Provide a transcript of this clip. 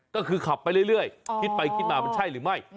ก็คือขับไปเรื่อยคิดไปคิดมามันใช่หรือไม่